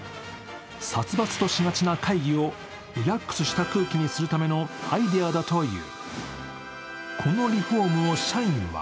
殺伐としがちな会議をリラックスした空気にするためのアイデアだという。